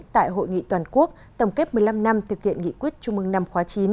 tại hội nghị toàn quốc tổng kết một mươi năm năm thực hiện nghị quyết chung mừng năm khóa chín